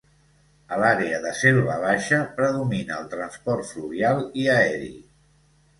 A l'àrea de selva baixa predomina el transport fluvial i aeri.